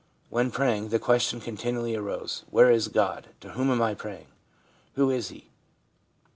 When praying, the question continually arose, " Where is God, to whom I am praying ? Who is He